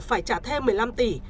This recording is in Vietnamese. phải trả thêm một mươi năm tỷ